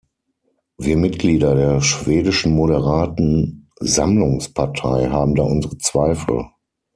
Wir Mitglieder der schwedischen Moderaten Sammlungspartei haben da unsere Zweifel.